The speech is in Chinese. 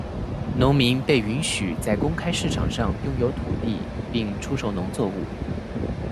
农民被允许在公开市场上拥有土地并出售农作物。